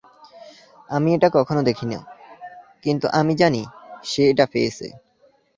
আমি এটা কখনো দেখিনি, কিন্তু আমি জানি সে এটা পেয়েছে।